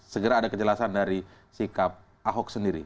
segera ada kejelasan dari sikap ahok sendiri